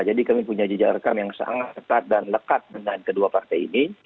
jadi kami punya jejak rekam yang sangat ketat dan lekat dengan kedua partai ini